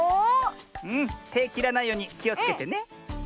てきらないようにきをつけてね。